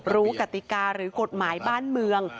กติกาหรือกฎหมายบ้านเมือง